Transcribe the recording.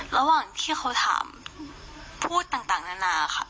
ระหว่างที่เขาถามพูดต่างนานาค่ะ